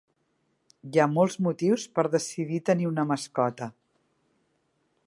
Hi ha molts motius per decidir tenir una mascota.